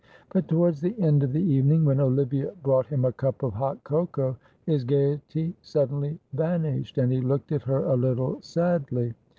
But towards the end of the evening, when Olivia brought him a cup of hot cocoa, his gaiety suddenly vanished, and he looked at her a little sadly.